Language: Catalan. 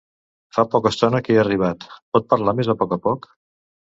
Fa poc estona que he arribat, pot parlar més a poc a poc?